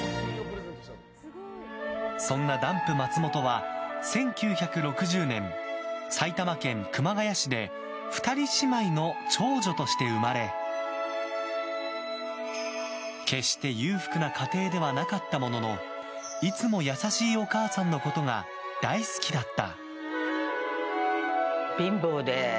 そんなダンプ松本は１９６０年、埼玉県熊谷市で２人姉妹の長女として生まれ決して裕福な家庭ではなかったもののいつも優しいお母さんのことが大好きだった。